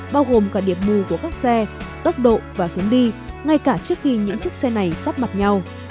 bao gồm cả điểm mù của các xe tốc độ và hướng đi ngay cả trước khi những chiếc xe này sắp mặt nhau